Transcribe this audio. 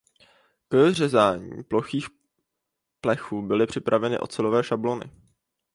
K řezání plochých plechů byly připraveny ocelové šablony.